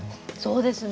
そうですね。